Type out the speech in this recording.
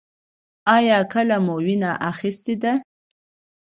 ایا کله مو وینه اخیستې ده؟